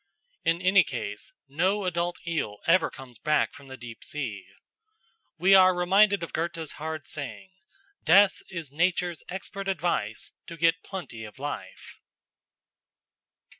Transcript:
In any case, no adult eel ever comes back from the deep sea. We are minded of Goethe's hard saying: "Death is Nature's expert advice to get plenty of life."